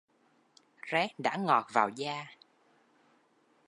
Rét đã ngọt vào da